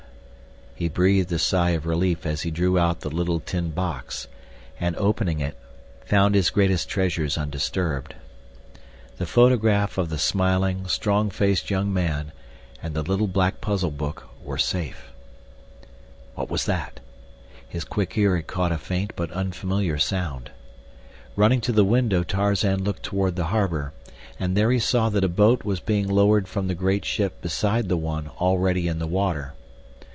He breathed a sigh of relief as he drew out the little tin box, and, opening it, found his greatest treasures undisturbed. The photograph of the smiling, strong faced young man, and the little black puzzle book were safe. What was that? His quick ear had caught a faint but unfamiliar sound. Running to the window Tarzan looked toward the harbor, and there he saw that a boat was being lowered from the great ship beside the one already in the water.